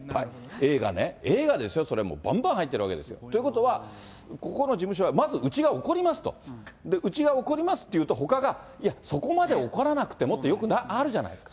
映画ね、映画ですよ、それも、ばんばん入ってるわけですよ。ということは、ここの事務所はまず、うちが怒りますと、うちが怒りますと言うと、ほかが嫌、そこまで怒らなくてもって、よくあるじゃないですか。